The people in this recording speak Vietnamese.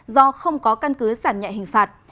do không có căn cứ giảm nhạy hình phạt